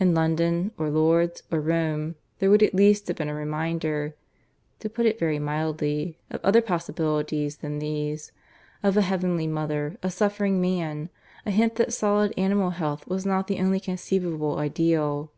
In London, or Lourdes, or Rome there would at least have been a reminder to put it very mildly of other possibilities than these: of a Heavenly Mother, a Suffering Man; a hint that solid animal health was not the only conceivable ideal.